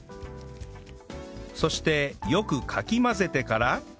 そしてよくかき混ぜてから